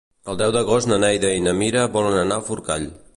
El deu d'agost na Neida i na Mira volen anar a Forcall.